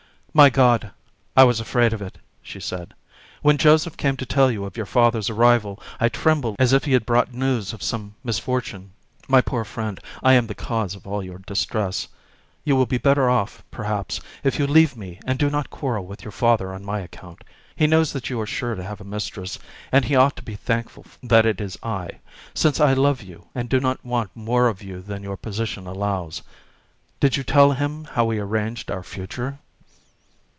"My God! I was afraid of it," she said. "When Joseph came to tell you of your father's arrival I trembled as if he had brought news of some misfortune. My poor friend, I am the cause of all your distress. You will be better off, perhaps, if you leave me and do not quarrel with your father on my account. He knows that you are sure to have a mistress, and he ought to be thankful that it is I, since I love you and do not want more of you than your position allows. Did you tell him how we had arranged our future?"